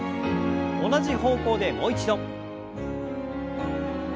同じ方向でもう一度。